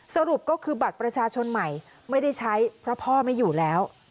สรุปก็คือบัตรประชาชนใหม่ไม่ได้ใช้เพราะพ่อไม่อยู่แล้ว